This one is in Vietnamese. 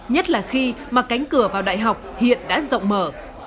nhất là khi mà cánh cửa vào đại học hiện đã rộng mở